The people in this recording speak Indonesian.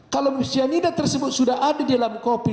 kalau cyanida tersebut sudah ada di dalam kopi